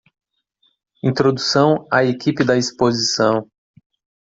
Introdução à equipe da exposição